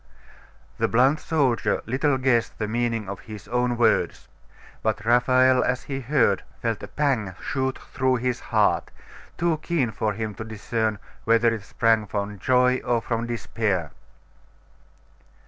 The blunt soldier little guessed the meaning of his own words. But Raphael, as he heard, felt a pang shoot through his heart, too keen for him to discern whether it sprang from joy or from despair.